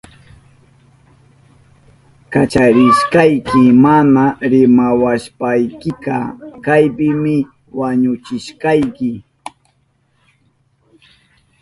Rimawashpaykimi kacharishkayki. Mana rimawashpaykika kaypimi wañuchishkayki.